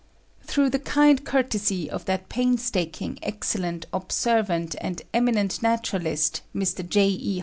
Through the kind courtesy of that painstaking, excellent, observant, and eminent naturalist, Mr. J. E.